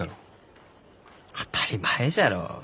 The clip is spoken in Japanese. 当たり前じゃろう。